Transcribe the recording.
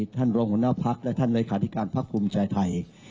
ท่านรองหัวหน้าพักและท่านเลขาธิการพักภูมิใจไทย